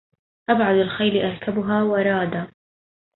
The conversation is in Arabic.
أبعد الخيل أركبها ورادا